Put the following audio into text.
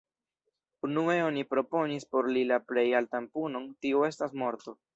Unue oni proponis por li la plej altan punon, tio estas morto.